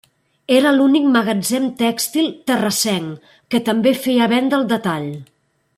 Era l'únic magatzem tèxtil terrassenc que també feia venda al detall.